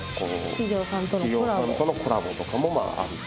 企業さんとのコラボとかもあり。